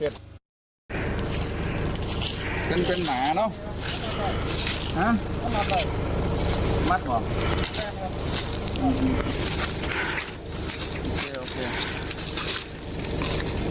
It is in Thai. ตอนแหลกเขาว่าเป็นยังไงครับนี่